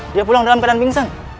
dia pulang dalam keadaan pingsan